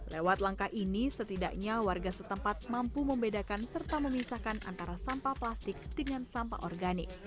lewat langkah ini setidaknya warga setempat mampu membedakan serta memisahkan antara sampah plastik dengan sampah organik